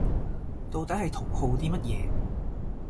到底係同好啲乜嘢